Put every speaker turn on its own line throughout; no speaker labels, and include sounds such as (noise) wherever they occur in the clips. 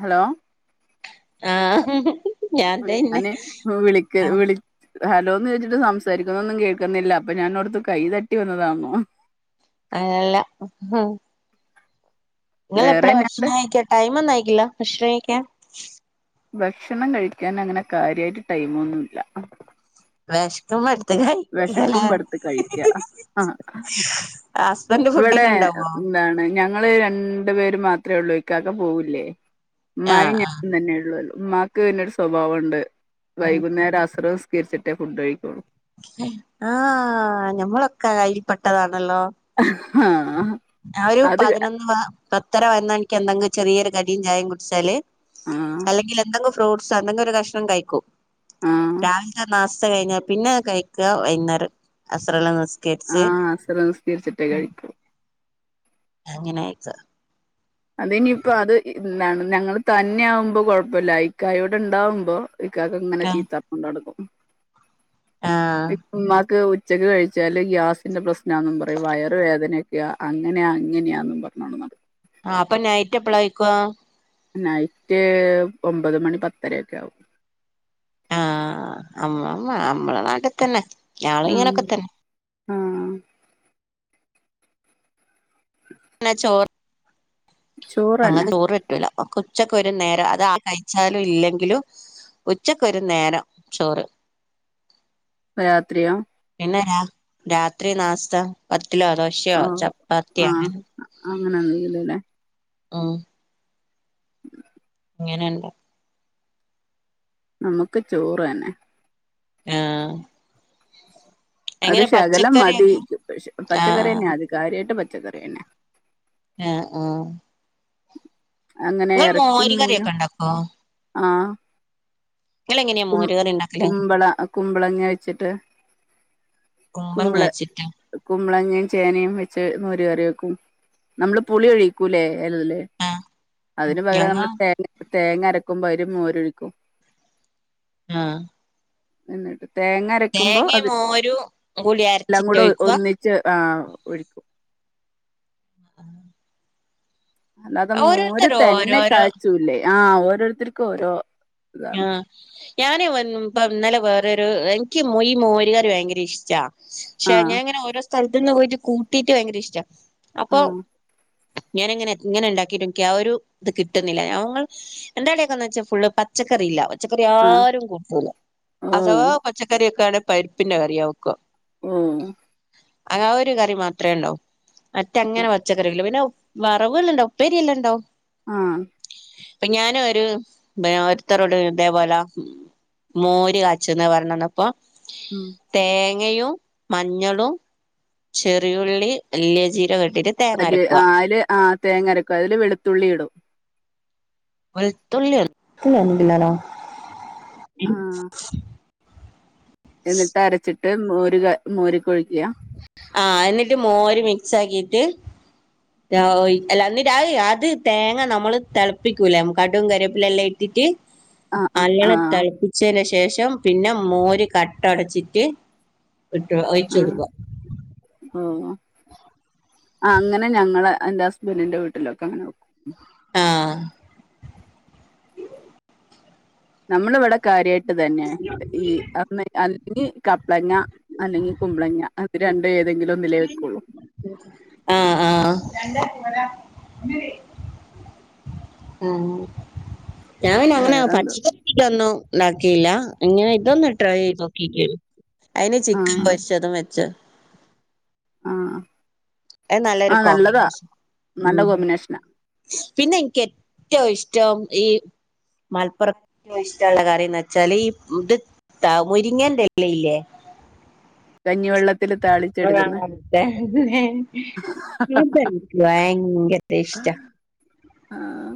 Hello
ആഹ് ഞാൻ തന്നെ
അന്നെ വിളിക്ക വിളി ഹലോന്ന് ചോയച്ച്ട്ട് സംസാരിക്കുന്നൊന്നും കേക്കുന്നില്ല അപ്പൊ ഞാനോർത്തു കൈ തട്ടി വന്നതാന്നോ
അതല്ല ഇങ്ങളെപ്പളാ
വേറെന്നാണ്ട്
ഭഷ്ണംകഴിക്ക ടൈമൊന്നായിക്കില്ല ഭഷ്ണം കഴിക്കാൻ
ഭക്ഷണം കഴിക്കാൻ അങ്ങനെ കാര്യായിട്ട് ടൈമൊന്നുല്ല
വെശ്ക്കുമ്പോ എട്ത്ത് കയ്
വെശക്കുമ്പോ ട്ത്ത് കഴിക്കാ ആഹ്
ഹസ്ബൻ്റ്
ഇവടെ എന്താണ് ഞങ്ങള് രണ്ടുപേരും മാത്രേള്ളൂ ഇക്കാക്ക പോവൂല്ലേ ഉമ്മായും
ആഹ്
ഞാനും തന്നെ ഉള്ളുല്ലോ ഉമ്മാക്ക് പിന്നൊരു സ്വഭാവണ്ട്
ഉം
വൈകുന്നേരം അസ്റ് നിസ്കരിച്ചിട്ടേ ഫുഡ് കഴിക്കൊള്ളു
ആഹ് ഞമ്മളൊക്കെ അയ്ല് പെട്ടതാണല്ലോ
ആഹാ
ഞാഒരു പതിനൊന്ന് പ പത്തര പതിനൊന്ന് മണിക്ക് എന്തെങ്കിലും ചെറിയൊരു കടീം ചായേം കുടിച്ചാല്
ആഹ്
അല്ലെങ്കിൽ എന്തെങ്കിലും ഫ്രൂട്ട്സോ എന്തെങ്കിലൊരു കഷ്ണം കഴിക്കും
ആഹ്
രാവിൽത്തെ നാസ്‌ത്ത കഴിഞ്ഞ പിന്നെ കഴിക്ക വൈകുന്നേരം അസ്റെല്ലം നിസ്
ആഹ് അസറ് നിസ്‌കരിച്ചിട്ടേ കഴിക്കു
അങ്ങനെയൊക്ക
അത് ഇനിയിപ്പോ അത് എന്താണ് ഞങ്ങള് തന്ന്യാവുമ്പോ കൊഴപ്പല്ല ഇക്കായൂടെ ണ്ടാവുമ്പോ ഇക്കാക്കങ്ങനെ ചീത്തർഞ്ഞോണ്ടട്ക്കും
ആഹ്
ഉമ്മാക്ക് ഉച്ചക്ക് കഴിച്ചാല് ഗ്യാസിന്റെ പ്രശ്നാന്നും പറയും വയർ വേദനയൊക്ക്യാ അങ്ങനെ അങ്ങനെയാന്നും പർഞ്ഞോണ്ട് നടക്കും
ആഹ് അപ്പൊ നൈറ്റ് എപ്പളേയ്ക്കും
നൈറ്റ് ഒമ്പത് മണി പത്തരൊക്കെ ആവും
ആഹ് അമ്മള് മ്മ നമ്മളെ നാട്ട്ത്തന്നെ
ഉം ആഹ് (inaudible)
ന്നാ ചോറ്
ചോറന്നെ
ഞങ്ങക്ക് ചോറ് പറ്റൂല്ല മ്മക്ക് ഉച്ചക്കൊരു നേരം അത് ആ കഴിച്ചാലും ഇല്ലെങ്കിലും ഉച്ചക്കൊരു നേരം ചോറ്
പ്പ രാത്രിയൊ
പിന്നെ രാ രാത്രി നാസ്ത പത്തിലോ ദോശയോ ചപ്പാത്യോ അങ്ങനെ
അങ്ങനെന്നല്ലല്ലെ
ആഹ്
(inaudible)
ങ്ങനെയണ്ടോ
നമുക്ക് ചോറന്നെ
ആഹ്
അത്
എങ്ങനെ
ശകലം മതി
പച്ചക്കറിയൊക്കെ ആഹ്
പച്ചക്കറിന്നെ അത് കാര്യായിട്ട് ട്ട് പച്ചക്കറിന്നെ
ആഹ് ആഹ്
അങ്ങനെ
നിങ്ങൾ
എറച്ചി
മോര് കറിയൊക്കെ
മീനും
ഉണ്ടാക്കോ
ആഹ്
നിങ്ങൾ എങ്ങനെയാ
കുമ്പ
മോര് കറി ഉണ്ടാക്കല്
കുമ്പള കുമ്പളങ്ങ വെച്ചിട്ട്
കുമ്പങ്ങ
കുമ്പള
കഴിച്ചിട്ട
കുമ്പളങ്ങയും ചേനയും വെച്ച് മോര് കറി വെക്കും നമ്മള് പുളി ഒഴിക്കൂല്ലേ അലേ
ആഹ്
അതിന് പകരം
ഞങ്ങ
മ്മള് തേങ്ങ തേങ്ങ അരക്കുമ്പോ അയില് മോരൊഴിക്കും
ആഹ്
എന്നിട്ട് തേങ്ങ അരക്കുമ്പോ
തേങ്ങയും
അത്
മോരും കൂടി
എല്ലാം കൂടെ
അരച്ചിട്ടൊഴിക്കുക
ഒന്നി (unintelligible) (inaudible)
(inaudible) (inaudible)
അല്ലാതെ മോര്
ഓരോരുത്തര്
തന്നെ
ഓരോരോ
കാചൂല്ലേ ആഹ് ഓരോരുത്തർക്കും ഓരോ ഇതാണ്
ആഹ് ഞാനെ വ പ്പ ഇന്നലെ വേറരു എനിക്ക് ഈ മോരുകറി ഭയങ്കര ഇഷ്ടാ ക്ഷേ
ആ
ഞാ ങ്ങനെ ഓരോ സ്ഥലത്തുന്ന് പോയിട്ട് കൂട്ടീട്ട് ഭയങ്കര ഇഷ്ട
ആ
അപ്പൊ ഞാനങ്ങനെ ഇങ്ങനെ ഉണ്ടാക്കിട്ടുംക്ക ആ ഒരു ഇത് കിട്ടുന്നില്ല ഞങൾ എന്താകയ്യിക്കുന്നോച്ചാ ഫുള് പ ച്ചക്കറില്ല പച്ചക്കറി
ആ
ആരും കൂട്ടൂല
ഓ
അതവാ പച്ചക്കറിയൊക്കയാപരിപ്പിന്റെറെ കറിയാ വെയ്ക്ക
ഉം
അ ആ ഒരു കറി മാത്രമേ ഉണ്ടോ മറ്റേ അങ്ങനെ പച്ചക്കറില്ലാ പിന്നെ വറവുകള് ണ്ട ഉപ്പേരിയല്ലാം ണ്ടോ
ആഹ്
പ്പൊ ഞാനൊരു ഇത്തരോട് ഇതേപോലെ മോര് കാച്ചന്ന് പറഞ്ഞന്നപ്പോ
ഉം
തേങ്ങയും മഞ്ഞളും ചെറിയുള്ളി വലിയ ജീരകെട്ടിട്ട്
വല്യ ആഹ് അതില് ആഹ് തേങ്ങരക്കും അതില് വെളുത്തുള്ളി ഇടും
വെലുത്തുള്ളി പിനാരോ
ആഹ് എന്നിട്ട് അരച്ചിട്ട് മോര് ക മോരിക്കൊഴിക്ക
ആഹ് എന്നിട്ട് മോര് മിക്സ് ആക്കിട്ട് അല്ല എന്നിട്ട അത് തേങ്ങ നമ്മള് തിളപ്പിക്കൂലേ കടും കറിവേപ്പില എല്ലാം ഇട്ടിട്ട്
ആഹ് ആഹ്
അങ്ങനെ
ആഹ്
തളിപ്പിച്ചതിന് ശേഷം പിന്നെ മോര് കട്ട ഉടച്ചിട്ട് ഇട്ട് ഒഴിച്ച് കൊടുക്ക
ഉം അങ്ങനെ ഞങ്ങള് എന്റെ ഹസ്ബൻറിന്റെ വീട്ടിലൊക്കെ അങ്ങനെ വെക്കും
ആഹ് ഉം
നമ്മളിവിടെ കാര്യയിട്ട് ഇതെന്നെ അല്ലെങ്കി കപ്പ്ളങ്ങ അല്ലെങ്കി കുമ്പ്ളങ്ങ അത് രണ്ടും ഏതെങ്കിലും ഒന്നിലലേ വെക്കുള്ളൂ
ആഹ് ആഹ് അങ്ങനെ ഞാൻപിന്നങ്ങനെ
വേറെന്തോ
പച്ചിക്ക- ഇതൊന്നും ണ്ടാക്കിയില്ല, ഇങ്ങനെ ഇതൊന്ന് ട്രൈ ചെയ്ത് നോക്കിക്കെ അയ്ല് ചിക്കൻ
ആഹ്
പൊരിച്ചതും വെച്ച്
ആഹ്
അത് നല്ലൊരു
ആ നല്ലതാ
കോമ്പിനേഷൻ.
നല്ല കോമ്പിനേഷൻ
പിന്നെനിക്കെറ്റവും ഇഷ്ടം ഈ മലപ്പുറക്കാരെ ഇഷ്ള്ള കറിന്നെച്ചാല് ഈ (unintelligible) ത്താ മുരിങ്ങന്റെല ഇല്ലേ
കഞ്ഞിവെള്ളത്ത്ല് താളി
ആഹ് അതന്നെ അതെനിക്ക് ഭയങ്കര ഇസ്റ്റ
ആഹ്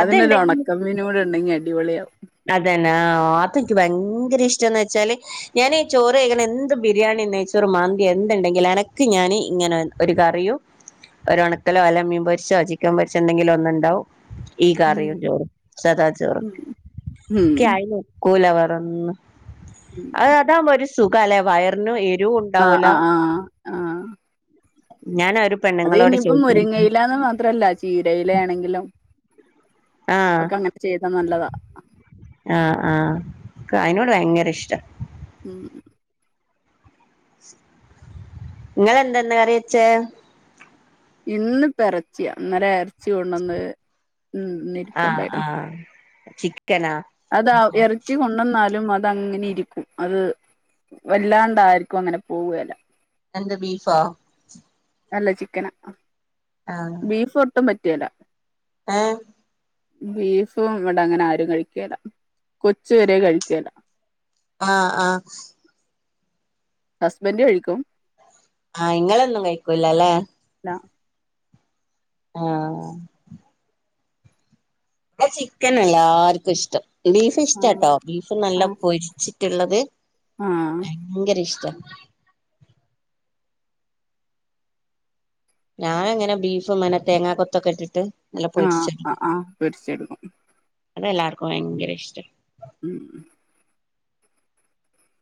അതിനൊരു
അതുണ്ടെങ്കിൽ
ഒണക്ക മീനുംകൂടി ണ്ടെങ്കി അടിപൊളി ആവും
അതന്നെ ആഹ് അത്ൻക്ക് ഭയങ്കര ഇഷ്ടംന്ന് വെച്ചാല് ഞാനീ ചോറ് കഴിക്കാണെ എന്ത് ബിരിയാണി നെയ്‌ച്ചോർ മന്തി എന്ത് ണ്ടെങ്കിലും എനക്ക് ഞാന് ഇങ്ങനെ ഒരു കറിയും ഒരു ണക്കലോ അല്ലെങ്കി മീൻ പൊരിച്ചതോ ചിക്കൻ പൊരിച്ചതോ എന്തെങ്കിലും ഒന്നുണ്ടാവും ഈ കറിയും
ഉം
ചോറും സദാ ചോറ്
ഉം
ഇക്ക്‌ ഐനൊക്കൂല വേറൊന്നും,
ഉം
അത് അതാവുമ്പൊരിശ് സുഖാല്ലേ വയറിനും എരിവും
ആഹ്
ണ്ടാവൂല
ആഹ് ആഹ് ആഹ് അത് ഇനിയിപ്പം മുരിങ്ങയിലാന്ന് മാത്രല്ല ചീരയിലേണെങ്കിലും
ആഹ്
ഒക്കങ്ങനെ ചെയ്താ നല്ലതാ
ആഹ് ആഹ് ക്കായ്നോട് ഭയങ്കര ഇഷ്ടം
ഉം
ങ്ങളെന്തന്ന് കറി യെച്ചേ
ഇന്ന്പ്പ എറച്ചിയാ ഇന്നലെ ഇർച്ചി കൊണ്ടന്ന്
ആഹ് ആഹ് ചിക്കനാ
അതാ എറച്ചി കൊ ണ്ടന്നാലും അതങ്ങനെ ഇരിക്കും, അത് വല്ലാണ്ടാര്ക്കും അങ്ങനെ പോവുകേല
എന്ത്‌ ബീഫോ
അല്ല ചിക്കന, ബീഫൊട്ടും പറ്റുകേല
ആഹ്
ബീഫും ഇവിടെ അങ്ങനെ ആരും കഴിക്കേല കൊച്ചു വരെ കഴിക്കേല
ആഹ് ആഹ്
ഹസ്ബൻഡ് കഴിക്കും
ആഹ് ഇങ്ങളൊന്നും കഴിക്കൂലല്ലെ
ല്ല
ആഹ് പ്പ ചിക്കനാല്ലാർക്കും ഇഷ്ടം. ബീഫ്
ആഹ്
ഇഷ്ടാട്ടോ ബീഫ് നല്ല
ആഹ്
പൊരിച്ചിട്ടുള്ളത്
ആഹ്
ഭയങ്കര ഇഷ്ട ഞാനെങ്ങനെ ബീഫ്ന്നാന തേങ്ങാ കൊത്തൊക്കെട്ടിട്ട് നല്ല
ആഹ് ആഹ്
പൊരിച്ചെടുക്കും.
ആഹ് പൊരിച്ചെടുക്കും
അതെല്ലാർക്കും ഭയങ്കര ഇഷ്ട
ഉം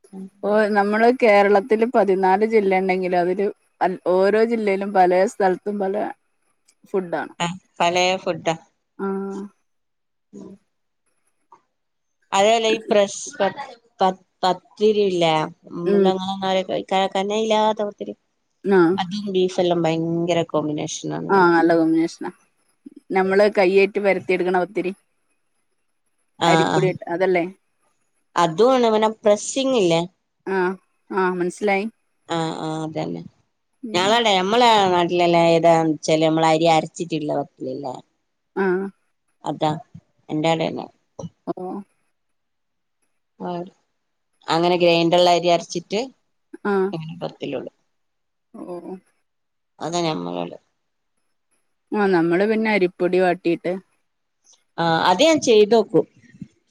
ഉം
നമ്മള് കേരളത്തില് പതിനാല് ജില്ല ണ്ടെങ്കിലതില് അ ഓരോ ജില്ലയിലും പലേ സ്ഥൽത്തും പലേ ഫുഡ്ഡ്ആണ്
ആ പലേ ഫുഡാ
ആഹ്
ഉം അതേപലെ ഈ പ്രഷ് പ പത് പത്തിരില്ലേ
ഉം
(unintelligible) ക കനയില്ലാതെ പത്തിരി
ആഹ്
അതും ബീഫല്ലാം ഭയങ്കര കോമ്പിനേഷൻ
ആഹ് നല്ല കോമ്പിനേഷന നമ്മള് കയ്യേറ്റ്് പരത്തിയെടുക്ക്ണ പത്തിരി
ആ ആ
അരിപ്പൊടിട്ട് അതല്ലേ
അതുവാണ് പിന്നെ പ്രസ്സിങ്ല്ലേ
ആഹ് ആഹ് മനസ്സിലായി
ആഹ് ആ അതന്നെ
ഉം
ഞങ്ങളടെ നമ്മളെ നാട്ടിലെല്ലാം താന്ന് വച്ചാല് നമ്മള അരി അരച്ചിട്ട്ള്ള പത്തിരി ല്ലേ
ആഹ്
അതാ എന്റെ ആടന്നെ
ഓ
ആ അങ്ങനെ ഗ്രൈൻഡർല് അരി അരച്ചിട്ട്
ആഹ്
അങ്ങന പത്തിലുടു
ഓഹ്
അത ഞമ്മളോട്
ആഹ് നമ്മള് പിന്നെ അരിപ്പൊടി വാട്ടിട്ട്
ആ അത് ഞാൻ ചെയ്തോക്കും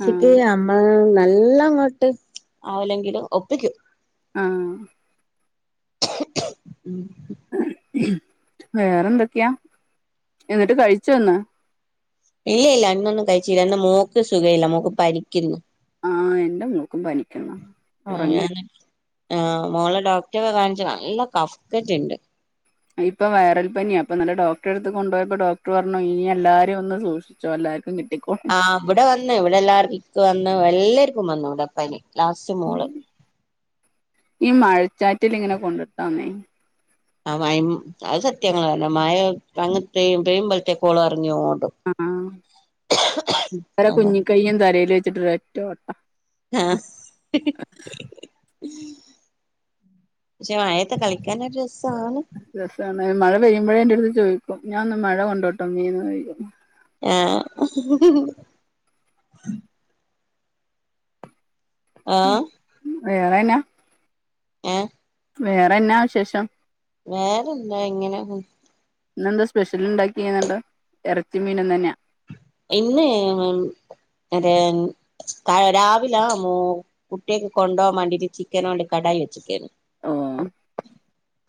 ശ
ആഹ്
ആനല്ല അങ്ങോട്ട് ആവില്ലെങ്കിലും ഒപ്പിക്കും
ആഹ്
ഉം (inaudible)
വേറെന്തക്ക്യ എന്നിട്ട് കഴിച്ചോന്ന്
ഇല്ല ല്ല ഇന്നൊന്നും കഴിച്ചിില്ല ഇന്ന് മോക്ക് സുഖ ഇല്ല മോക്ക് പരിക്കുന്നു
ആഹ എന്റെ മോക്കും പനി
ആ ഞൻ ആ മോളെ ഡോക്ടറെ കാണിച്ചോ നല്ല കഫ്ക്കറ്റ് ണ്ട്
ഇപ്പൊ വൈറൽ പനിിയ അപ്പൊ നല്ല ഡോക്ടറെ ടുത്ത് കൊണ്ടോ യപ്പോ ഡോക്ടർ പറഞ്ഞു ഇനി എല്ലാരും ഒന്ന് സൂക്ഷി ചോ എല്ലാർും കിട്ടിക്കും
ആ ഇവിടെ വന്ന്ഇവിടെ എല്ലാർ ഇക്ക് വന്ന് എല്ലാർക്കും വന്നു ഇവിടെപ്പനി ലാസ്റ്റ് മോള്
ഈ മഴച്ചാറ്റിൽ ഇങ്ങനെ കൊണ്ട്ട്ടാന്നേ
ആ മ അത് സത്യാ ങ്ങള് റഞ്ഞ് മഴ അങ്ങനത്തെയും പെയ്യുംപോലത്തേക്ക് ഓള് ഇറങ്ങി ഓടും
ആഹ് ഓരെ
അതാ
കുഞ്ഞിക്കയും തലയില് വെച്ചിട്ട്റ്റോ ട്ട
ആഹ് പക്ഷെ മഴത്തെ കളിക്കാനൊരു രസാണ്
രസാണ് മഴ പെയ്യുമ്പഴേ എൻറ അടുത്ത് ചോദിക്കും ഞാനൊന്ന് മഴ കൊണ്ടട്ടോ മീന്ന്് ചോയിക്കും
ആഹ് ആഹ്
എളേന
ഏ
വേറെ എന്നാ വിശേഷം
വേറെന്താ ഇങ്ങനെ
ഇന്നെന്താ സ്പെഷ്യൽ ഉണ്ടാക്കിങ്ങണ്ട് എറച്ചി മീനും തന്നെ
ഇന്ന് രെ രാവിലാ മോ കുട്ട്യാക്ക് കൊണ്ടകാൻ വാണ്ടിട്ട് ചിക്കനോണ്ട് കടായി വെച്ച്ക്കേന്നു
ആഹ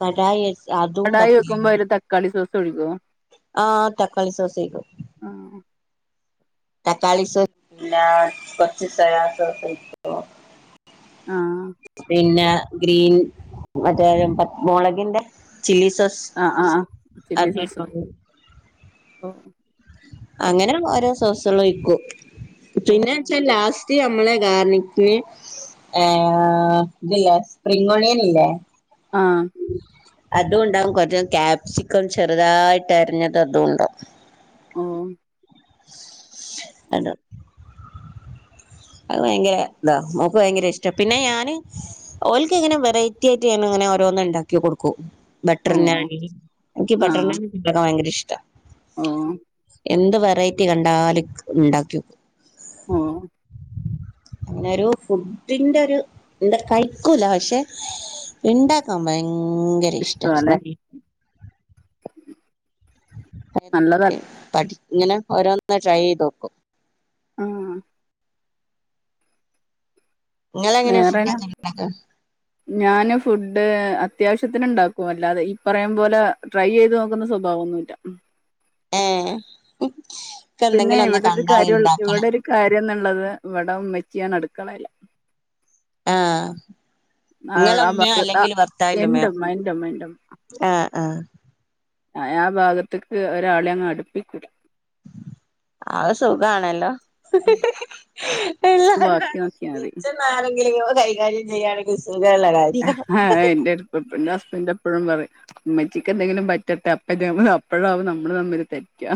കടായി അതും
വെക്കുമ്പോ
പതിരിയും
അതില് തക്കാളി സോസ് ഒഴിക്കോ
ആ തക്കാളി സോസയ്ക്കും
ആഹ
തക്കളി സോ സും എല്ലാ കൊർച്ച് സോയാസോസും
ആഹ
പിന്നെ ഗ്രീൻ മറ്റേ മുളകിന്റെ ചില്ലി സോസ്
ആ ആ ചില്ലി
അത്
സോസ് ഓ
അങ്ങനെ ഓരോ സോസെളോയ്ക്കും
ഓ
പിന്നെ വെച്ച ലാ സ്റ്റ് നമ്മളെ ഗാർണിക്ക്ന് ഏ ഇത്‌ലേസ്പ്രിംഗ് ഒണിയന് ഇല്ലേ
ആ
അതും ഉണ്ടാവും കുറച്ച് കാപ്സിക്കം ചെറ്തായിട്ട് അരിഞ്ഞത് അതും ഉണ്ടാവും
ഓ
അല്ല അത് ഭയങ്കര ഇതാ മോക്ക് ഭയങ്കര ഇഷ്ട്ടാ പിന്നെ ഞാന് ഓൽക്ക് ഇങ്ങനെ വെറൈറ്റി ആയിട്ട് ഇങ്ങനെ ഓരോന്ന് ഇണ്ടാക്കി കൊട്ക്കൂ ബട്ടർ
ഓ
ഞാന് ൻക്ക്
ആ
ബട്ടർ ഞാനി ഭയങ്കര ഇഷ്ട്ടാ
ഓ
എന്ത് വെറൈറ്റി കണ്ടാലും ക്ക് ഇണ്ടാക്കി ഓക്കും
ഓ
അങ്ങനൊരു ഫുഡിന്റെ ഒരു എന്താ കയ്ക്കൂല പക്ഷെ ഇണ്ടാക്കാൻ ഭയങ്കര ഇഷ്ട്ടാ
ഇഷ്ടല്ലേ നല്ലതല്ല
പഠി ഇങ്ങനെ ഓരോന്ന് ട്രൈ ചെയ്തോക്കും
ആഹ
ഇങ്ങളെങ്ങനെ
വേറെന്നാ
ഫുഡ്ക്കെ എങ്ങനെ ഇണ്ടാക്ക
ഞാന് ഫുഡ് അത്യാവശ്യത്തിന് ഇണ്ടാക്കും അല്ലാതെ ഈ പറയം പോലെ ട്രൈ യ്യ്ത് നോക്ക്ന്ന സ്വഭാവം ഒന്നുല്ലാ
ഏഹ് ഒക്കെ
പിന്നെ
എന്തെങ്കിലും ഒന്ന്
ഇവടെ ഒര്
കണ്ടാ
കാര്യം
ഇണ്ടാക്കണം
ഇവിടൊരു കാര്യം ന്ന്ള്ളത് ഇവടെ ഉമ്മച്ചി ആണ് അട്ക്കളെല്
ആഹ്
അ
ഇങ്ങളെ ഉമ്മയോ
(unintelligible)
അല്ലെങ്കിൽ
എന്റുമ്മ എന്റെമ്മ എന്റെമ്മ
ആഹ ആഹ
ആ ഭാഗത്ത്ക്ക് ഒരാളെ അങ്ങ് അട്പ്പീക്കൂലാ
(inaudible) അഹ് സുഖാണല്ലോ ഇല്ലാ
ബാക്കി നോക്കിയാൽ മതി
ന്നാരെങ്കിലും ഇങ്ങള് കൈക്കാര്യം ചെയ്യാണെങ്കി സുഖള്ള കാര്യ
ആ (unintelligible) ന്റെ ഹസ്ബൻഡ് എപ്പഴും പറയും ഇമ്മച്ചിക്ക് എന്തെങ്കിലും പറ്റട്ടേ അപ്പ ഞാൻ പറഞ്ഞു അപ്പഴാവും നമ്മള് തമ്മില് തെറ്റാ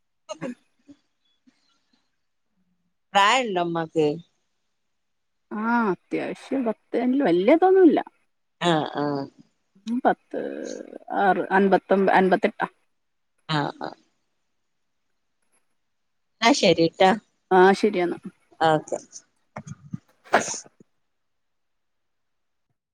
(inaudible) പ്രായണ്ടോ മ്മാക്ക്
ആ അത്യാവശ്യം (unintelligible) വല്യതൊന്നുല്ല
ആ ഹ ആഹ
പത്ത് ആറ് അൻപത്തൊമ്പ അൻപത്തെട്ടാ
ആഹ ആഹ ന്നാ ശരിട്ടാ
ആ ഹ ശരിയന്നാ
ആ ക്കെ